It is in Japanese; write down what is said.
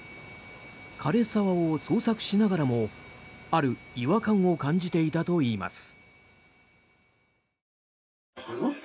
枯れ沢を捜索しながらもある違和感を感じていたといいます。